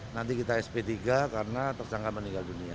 nanti kita sp tiga karena tersangka meninggal dunia